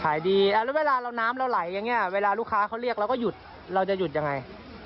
ดีแล้วเวลาเราน้ำเราไหลอย่างนี้เวลาลูกค้าเขาเรียกเราก็หยุดเราจะหยุดยังไง